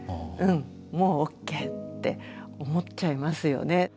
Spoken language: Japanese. もうＯＫって思っちゃいますよね。